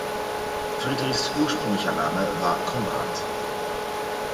Friedrichs ursprünglicher Name war Konrad.